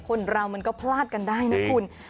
คนเรามันก็พลาดกันได้นะคุณ